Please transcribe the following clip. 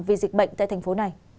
vì dịch bệnh tại thành phố này